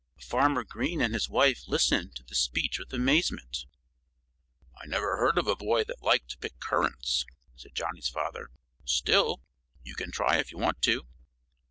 Farmer Green and his wife listened to this speech with amazement. "I never heard of a boy that liked to pick currants," said Johnnie's father. "Still, you can try if you want to."